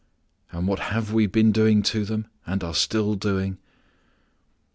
And what have we been doing to them, and are still doing?